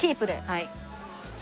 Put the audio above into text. はい。